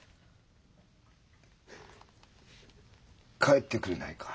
帰ってくれないか。